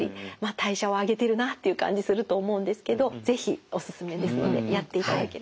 代謝を上げてるなっていう感じすると思うんですけど是非おすすめですのでやっていただければ。